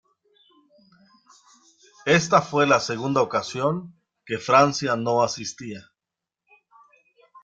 Esta fue la segunda ocasión que Francia no asistía.